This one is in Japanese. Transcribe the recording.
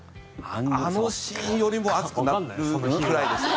あのシーンよりも熱くなるくらいでした。